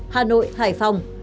hà nội hải phòng